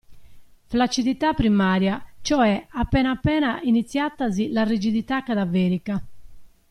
Flaccidità primaria cioè appena appena iniziatasi la rigidità cadaverica.